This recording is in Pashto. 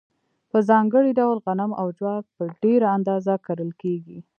په ځانګړي ډول غنم او جوار په ډېره اندازه کرل کیږي.